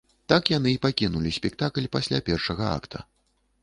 Так яны і пакінулі спектакль пасля першага акта.